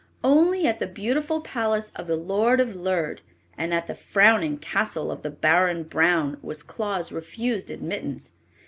Only at the beautiful palace of the Lord of Lerd and at the frowning castle of the Baron Braun was Claus refused admittance.